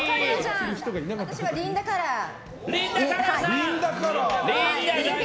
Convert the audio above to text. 私はリンダカラー∞。